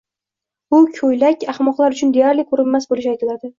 bu ko‘ylak ahmoqlar uchun deyarli ko‘rinmas bo‘lishi aytiladi.